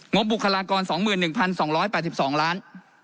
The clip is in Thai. บุคลากร๒๑๒๘๒ล้าน